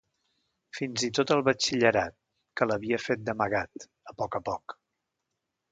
Fins i tot el batxillerat, que l’havia fet d’amagat, a poc a poc.